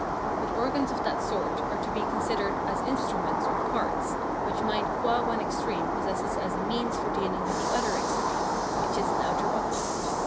But organs of that sort are to be considered as instruments or parts which mind qua one extreme possesses as a means for dealing with the other extreme, which is an outer object.